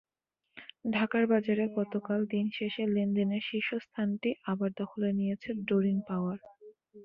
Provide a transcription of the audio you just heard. ঢাকার বাজারে গতকাল দিন শেষে লেনদেনের শীর্ষ স্থানটি আবার দখলে নিয়েছে ডরিন পাওয়ার।